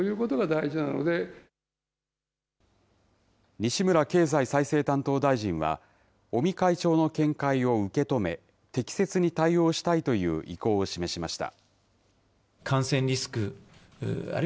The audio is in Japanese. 西村経済再生担当大臣は、尾身会長の見解を受け止め、適切に対応したいという意向を示しました。